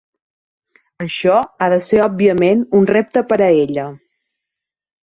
Això ha de ser òbviament un repte per a ella.